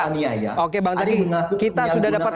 ada yang mengaku yang menggunakan kekuasaan